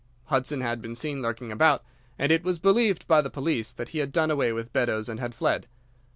Hudson had been seen lurking about, and it was believed by the police that he had done away with Beddoes and had fled.